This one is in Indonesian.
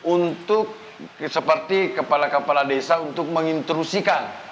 untuk seperti kepala kepala desa untuk mengintrusikan